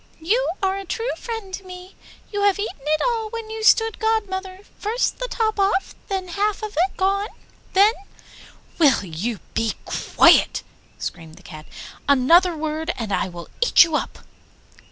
You are a true friend to me! You have eaten it all when you stood godmother; first the top off, then half of it gone, then ' 'Will you be quiet!' screamed the Cat. 'Another word and I will eat you up.